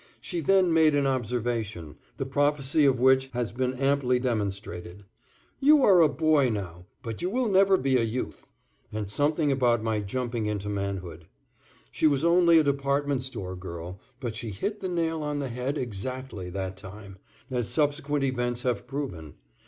She then made an observation, the prophecy of which has been amply demonstrated "you are a boy now, but you will never be a youth," and something about my jumping into manhood. She was only a department store girl, but she hit the nail on the head exactly that time, as subsequent events have proven.